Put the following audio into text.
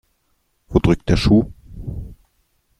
Wo drückt der Schuh?